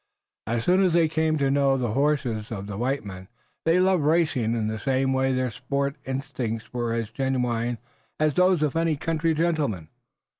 As soon as they came to know the horse of the white man they loved racing in the same way. Their sporting instincts were as genuine as those of any country gentleman.